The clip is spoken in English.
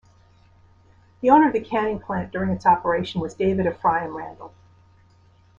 The owner of the canning plant during its operation was David Ephriam Randall.